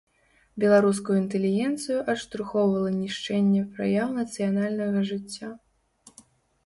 Беларускую інтэлігенцыю адштурхоўвала нішчэнне праяў нацыянальнага жыцця.